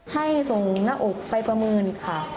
ให้ส่งหน้าอกไปประเมินค่ะ